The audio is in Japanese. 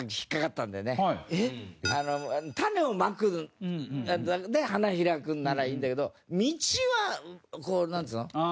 「種を蒔く」で花開くならいいんだけど道はこうなんつうの？